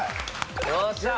よっしゃあ！